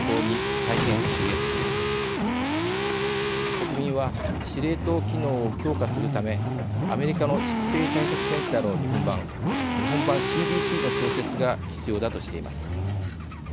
再編・集約する国民は「司令塔機能を強化するため、アメリカの疾病対策センターの日本版日本版ＣＤＣの創設」が必要だとしています。